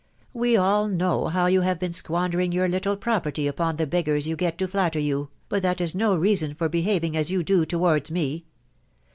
We all know how you have been squandering your little property upon the beggars you get to flatter you, but that is no reason for behaving as you do towards me.